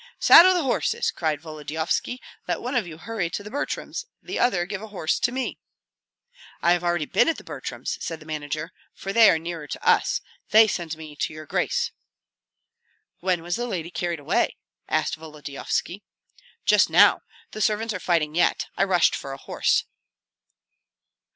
"Saddle the horses!" cried Volodyovski. "Let one of you hurry to the Butryms, the other give a horse to me!" "I have been already at the Butryms," said the manager, "for they are nearer to us; they sent me to your grace." "When was the lady carried away?" asked Volodyovski. "Just now the servants are fighting yet I rushed for a horse."